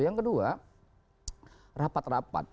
yang kedua rapat rapat